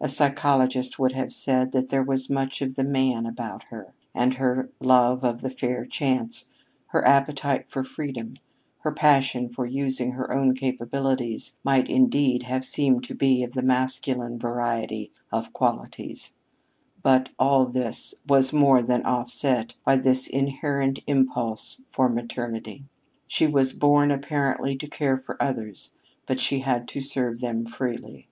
A psychologist would have said that there was much of the man about her, and her love of the fair chance, her appetite for freedom, her passion for using her own capabilities might, indeed, have seemed to be of the masculine variety of qualities; but all this was more than offset by this inherent impulse for maternity. She was born, apparently, to care for others, but she had to serve them freely.